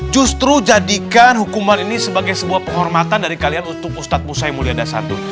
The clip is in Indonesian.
justru jadikan hukuman ini sebagai sebuah penghormatan dari kalian untuk ustadz musaimuli adasadun